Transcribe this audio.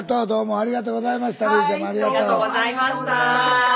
どうも。